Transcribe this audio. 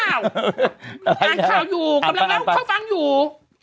อะไรนะอ่านข่าวอยู่เขาฟังอยู่